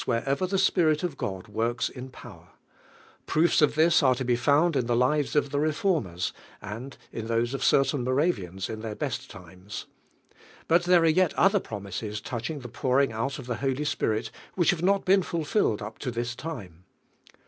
cB.vei I he Spirit pf ft"d wnrVn ■" power Proofs of this are to be found in the lives of the Reformers, and in those of certain Morav ians in their best times. But there are ■ 88 DlVJflK HEAXTNCt. yet other promises touching the pouring out of the Holy Spirit which have not Chapter XV. '■ been fulfilled np to this time.